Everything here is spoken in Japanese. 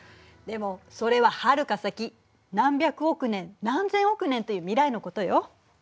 でもそれははるか先何百億年何千億年という未来のことよ。